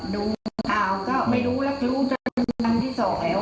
ดูข่าวก็ไม่รู้แล้วรู้จัดการที่๒แม่